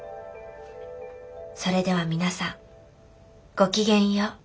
それでは皆さんごきげんよう。